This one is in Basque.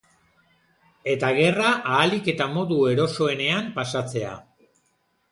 Eta gerra ahalik eta modu erosoenean pasatzea.